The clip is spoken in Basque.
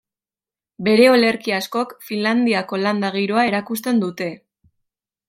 Bere olerki askok Finlandiako landa giroa erakusten dute.